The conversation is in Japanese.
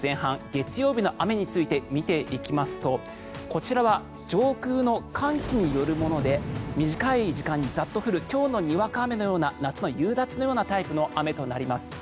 月曜日の雨について見ていきますとこちらは上空の寒気によるもので短い時間にザッと降る今日のにわか雨のような夏の夕立のようなタイプの雨となります。